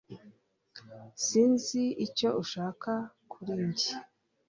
Sinzi icyo ushaka kuri njye